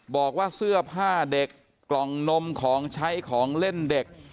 บอกว่าเสื้อผ้าเด็กกล่องนมของใช้ของเล่นเด็ก